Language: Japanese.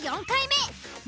４回目。